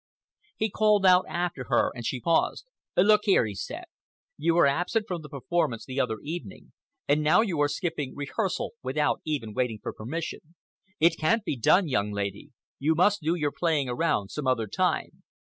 He called out after her and she paused. "Look here," he said, "you were absent from the performance the other evening, and now you are skipping rehearsal without even waiting for permission. It can't be done, young lady. You must do your playing around some other time.